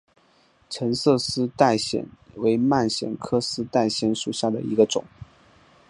橙色丝带藓为蔓藓科丝带藓属下的一个种。